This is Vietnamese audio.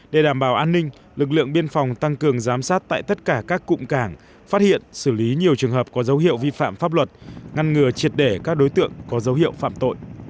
để đảm bảo an ninh lực lượng biên phòng tăng cường giám sát tại tất cả các cụm cảng phát hiện xử lý nhiều trường hợp có dấu hiệu vi phạm pháp luật ngăn ngừa triệt để các đối tượng có dấu hiệu phạm tội